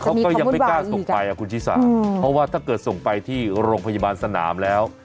เขาก็ยังไม่กล้าส่งไปคุณชิสาเพราะว่าถ้าเกิดส่งไปที่โรงพยาบาลสนามแล้ว